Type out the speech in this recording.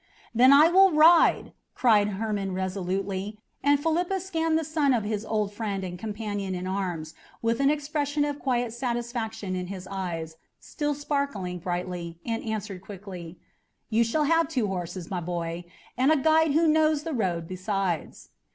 "Then I will ride!" cried Hermon resolutely, and Philippus scanned the son of his old friend and companion in arms with an expression of quiet satisfaction in his eyes, still sparkling brightly, and answered quickly, "You shall have two horses, my boy, and a guide who knows the road besides."